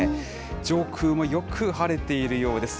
上空もよく晴れているようです。